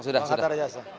pak hatta raja pak